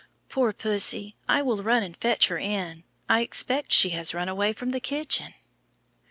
"Poor pussy, I will run and fetch her in. I expect she has run away from the kitchen."